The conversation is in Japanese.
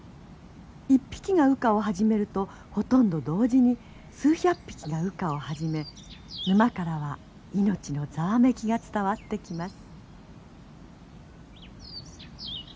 一匹が羽化を始めるとほとんど同時に数百匹が羽化を始め沼からは命のざわめきが伝わってきます。